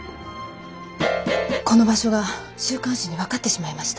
この場所が週刊誌に分かってしまいました。